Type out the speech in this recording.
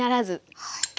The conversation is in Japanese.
はい。